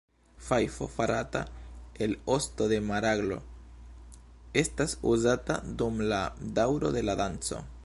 Fajfo farata el osto de maraglo estas uzata dum la daŭro de la danco.